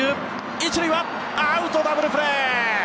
１塁はアウト、ダブルプレー！